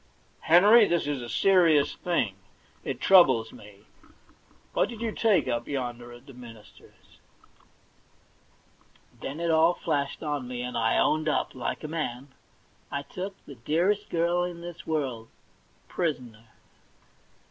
' Henry, this is a . serious thing. It troubles me. What did you take up yonder at the minister's ?' THE £1,000,000 BANK NOTE 31 Then it all flashed on me, and I owned up, like a man. *I took the dearest girl in this world — prisoner